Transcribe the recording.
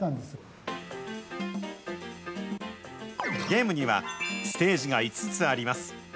ゲームには、ステージが５つあります。